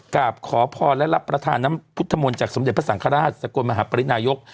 กราบขอพรและรับประทานน้ำพุทธมนต์จากสมเด็จพระสังฆราชสกลมหาปรินายก